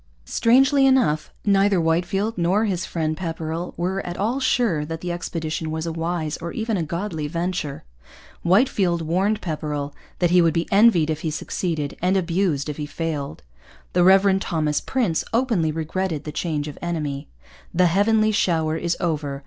Strangely enough, neither Whitefield nor his friend Pepperrell was at all sure that the expedition was a wise or even a godly venture. Whitefield warned Pepperrell that he would be envied if he succeeded and abused if he failed. The Reverend Thomas Prince openly regretted the change of enemy. 'The Heavenly shower is over.